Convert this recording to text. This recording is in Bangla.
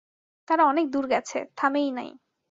তারা অনেক দূর গেছে, থামেই নাই।